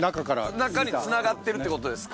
中につながってるってことですか。